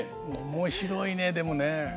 面白いねでもね。